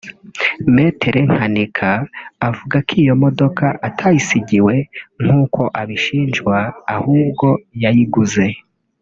Me Nkanika uvuga ko iyo modoka atayisigiwe nk’uko abishinjwa ahubwo yayiguze